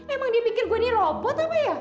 emang dia mikir gue ini robot apa ya